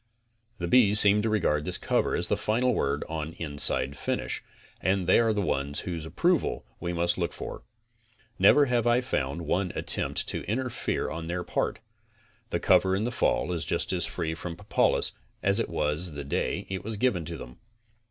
The bees seem to regard this cover as the final word on inside finish, and they are the ones whose approval we must look for. Never have I found one attempt to intrefere on their part. The cover in the fall is just as free from propolis as it was the day it was given to them.